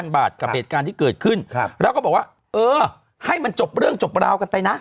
บาทกับเหตุการณ์ที่เกิดขึ้นแล้วก็บอกว่าเออให้มันจบเรื่องจบราวกันไปนะ